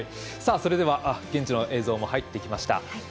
それでは、現地の映像も入ってきました。